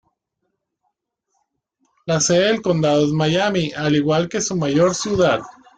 La sede del condado es Miami, al igual que su mayor ciudad.